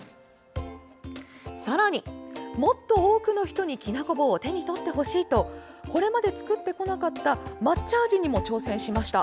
さらに、もっと多くの人にきなこ棒を手に取ってほしいとこれまで作ってこなかった抹茶味にも挑戦しました。